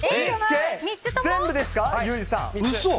全部ですか？